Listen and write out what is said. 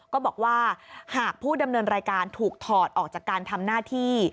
ก็บอกว่าหากผู้ดำเนินรายการถูกถอดออกจากการทำหน้าที่